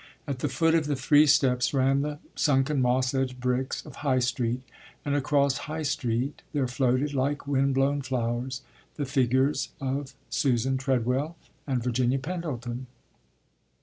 At the foot of the three steps ran the sunken moss edged bricks of High Street, and across High Street there floated, like wind blown flowers, the figures of Susan Treadwell and Virginia Pendleton.